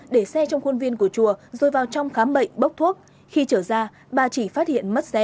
để xe trong khuôn viên của chùa rồi vào trong khám bệnh bốc thuốc khi chở ra bà chỉ phát hiện mất xe